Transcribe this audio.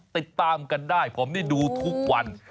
ติดตามกันได้ผมนี่ดูทุกวัน